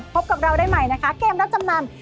พบกับเราได้ใหม่นะคะเกมรับจำนำ